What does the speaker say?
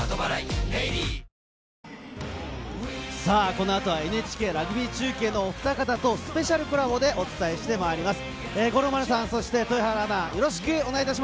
このあとはＮＨＫラグビー中継のお２人とスペシャルコラボでお伝えします。